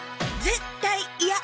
絶対嫌！